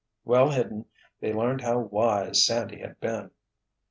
Well hidden, they learned how wise Sandy had been.